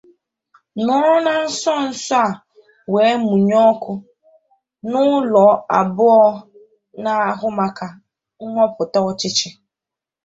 nọrọ na nsonso a wee mụnye ọkụ n'ụlọọrụ abụọ na-ahụ maka nhọpụta ọchịchị